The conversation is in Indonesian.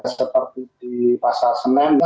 seperti di pasar semen